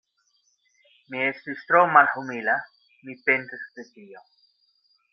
Mi estis tro malhumila: mi pentas pri tio.